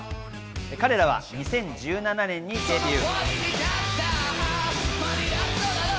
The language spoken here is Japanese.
彼らは２０１７年にデビュー。